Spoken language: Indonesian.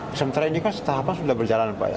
sementara ini kan tahapan sudah berjalan pak ya